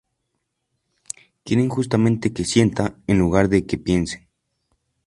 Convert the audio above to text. Quieren justamente que "sientan", en lugar de que "piensen".